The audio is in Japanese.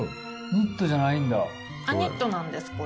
あっニットなんですこれ。